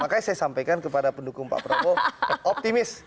makanya saya sampaikan kepada pendukung pak prabowo optimis